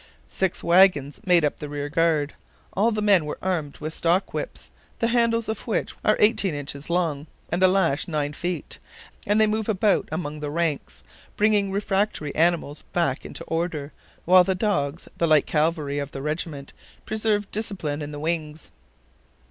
Six wagons made the rear guard. All the men were armed with stockwhips, the handles of which are eighteen inches long, and the lash nine feet, and they move about among the ranks, bringing refractory animals back into order, while the dogs, the light cavalry of the regiment, preserved discipline in the wings.